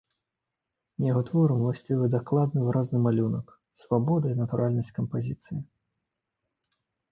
Яго творам уласцівы дакладны выразны малюнак, свабода і натуральнасць кампазіцыі.